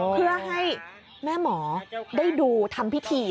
เพื่อให้แม่หมอได้ดูทำพิธี